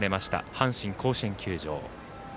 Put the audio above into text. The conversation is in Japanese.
阪神甲子園球場。